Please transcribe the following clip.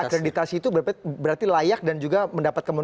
terakreditasi itu berarti layak dan juga mendapat kelebihan